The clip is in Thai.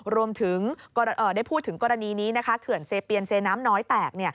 รวมถึงได้พูดถึงกรณีนี้เขื่อนเซเปียนเซน้ำน้อยแตก